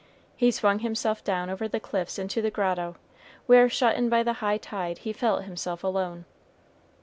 He swung himself down over the cliffs into the grotto, where, shut in by the high tide, he felt himself alone.